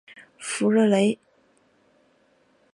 弗热雷。